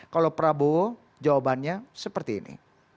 kalau prabowo jawabannya seperti ini